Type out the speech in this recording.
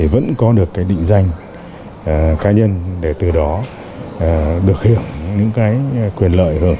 vẫn có được cái định danh cá nhân để từ đó được hưởng những cái quyền lợi hưởng